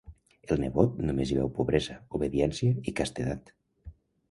El nebot només hi veu pobresa, obediència i castedat.